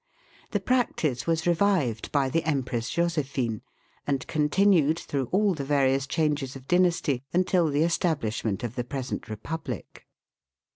The practice was revived by the Empress Josephine, and continued through all the various changes of dynasty until the establishment of the present Republic.